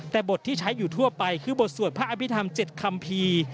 แต่บทที่ใช้อยู่ทั่วไปคือบทสวดพระอภิษฐรรม๗คัมภีร์